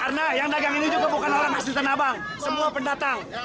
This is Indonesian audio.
karena yang dagang ini juga bukan orang asli tanah abang semua pendatang